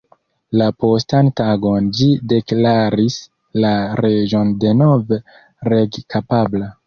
La postan tagon ĝi deklaris la reĝon denove reg-kapabla.